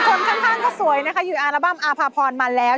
เป็นคนข้างทางค่ะสวยนะคะอยู่ในอัลบั้มอภพรมาแล้ว